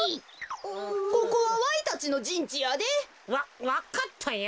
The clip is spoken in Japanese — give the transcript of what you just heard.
ここはわいたちのじんちやで。わわかったよ。